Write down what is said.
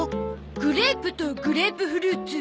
グレープとグレープフルーツ。